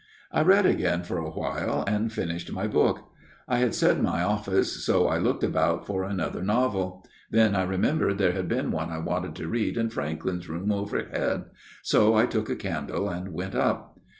" I read again for a while, and finished my book. I had said my Office, so I looked about for another novel. Then I remembered there had been one I wanted to read in Franklyn's room overhead, so I took a candle and went up.